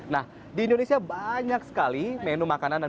nah di indonesia banyak sekali menu makanan dan berbualan